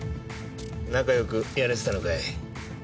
仲良くやれてたのかい？